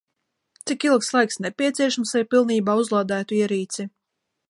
Cik ilgs laiks nepieciešams, lai pilnībā uzlādētu ierīci?